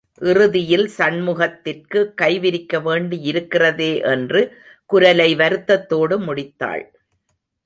இறுதியில் சண்முகத்திற்கு கைவிரிக்க வேண்டியிருக்கிறதே என்று குரலை வருத்தத்தோடு முடித்தாள்.